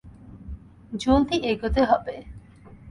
জলদি এগোতে হবে!